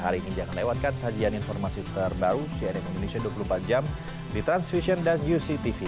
hari ini jangan lewatkan sajian informasi terbaru cnn indonesia dua puluh empat jam di transvision dan uctv